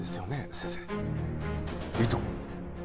先生意図？